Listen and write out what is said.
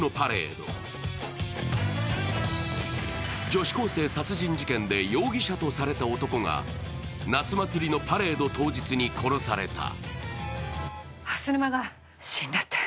女子高生殺人事件で容疑者とされた男が夏祭りのパレード当日に殺された。